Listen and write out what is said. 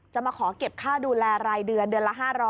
มาขอเก็บค่าดูแลรายเดือนเดือนละ๕๐๐